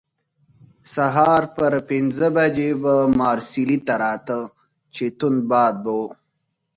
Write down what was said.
سهار پر پنځه بجې به مارسیلي ته راته، چې توند باد به وو.